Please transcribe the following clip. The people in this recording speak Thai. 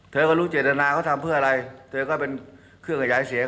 เธอก็รู้เจตนาเขาทำเพื่ออะไรเธอก็เป็นเครื่องขยายเสียง